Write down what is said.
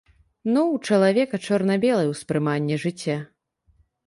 Ну ў чалавека чорна-белае ўспрыманне жыцця.